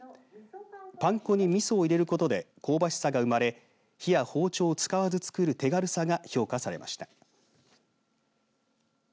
パン粉にみそを入れることで香ばしさが生まれ火や包丁を使わず作る手軽さが評価されました。